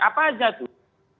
apa aja tuh